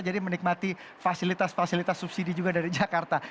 jadi menikmati fasilitas fasilitas subsidi juga dari jakarta